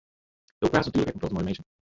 Do praatst natuerlik ek in protte mei de minsken.